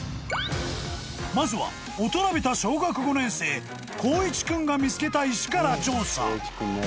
［まずは大人びた小学５年生光一君が見つけた石から調査］